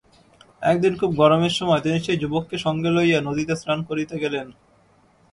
একদিন খুব গরমের সময় তিনি সেই যুবককে সঙ্গে লইয়া নদীতে স্নান করিতে গেলেন।